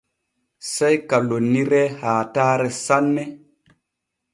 Sey ka lonniree haatare sanne.